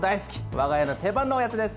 我が家の定番のおやつです。